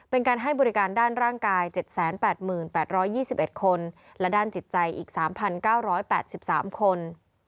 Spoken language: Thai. เป็นการให้บริการด้านร่างกาย๗๘๘๒๑คนและด้านจิตใจอีก๓๙๘๓คน